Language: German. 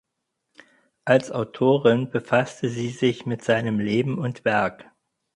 Als Autorin befasste sie sich mit seinem Leben und Werk.